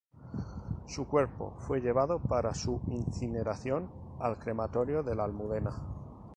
Su cuerpo fue llevado para su incineración al Crematorio de la Almudena.